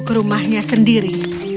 ke rumahnya sendiri